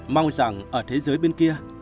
mong rằng ở thế giới bên kia